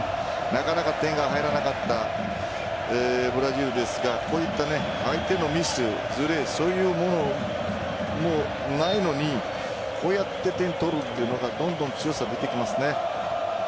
なかなか点が入らなかったブラジルですがこういった相手のミスずれ、そういうものがないのに、こうやって点を取るというのがどんどん強さに出てきますね。